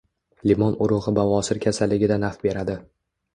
Limon urug‘i bavosir kasalligida naf beradi.